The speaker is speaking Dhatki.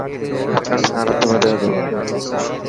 هسڻ سان رت وڌي تو.